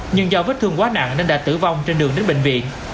nhưng do vết thương quá nặng nên đã tử vong trên đường đến bệnh viện